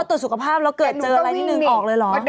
ตรวจสุขภาพแล้วเกิดเจออะไรนิดนึงออกเลยเหรอ